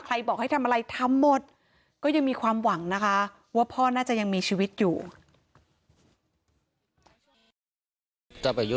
บอกให้ทำอะไรทำหมดก็ยังมีความหวังนะคะว่าพ่อน่าจะยังมีชีวิตอยู่